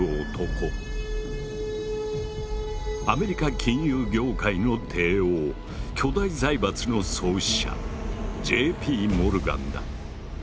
アメリカ金融業界の帝王巨大財閥の創始者Ｊ．Ｐ．モルガンだ。